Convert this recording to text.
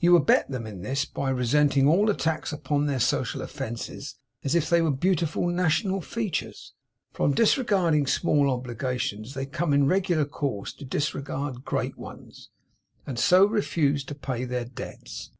You abet them in this, by resenting all attacks upon their social offences as if they were a beautiful national feature. From disregarding small obligations they come in regular course to disregard great ones; and so refuse to pay their debts.